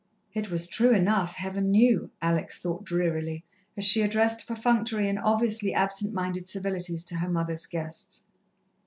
It was true enough, Heaven knew, Alex thought drearily, as she addressed perfunctory and obviously absent minded civilities to her mother's guests.